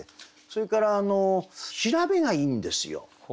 それから調べがいいんですよ。